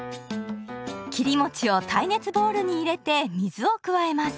切り餅を耐熱ボウルに入れて水を加えます。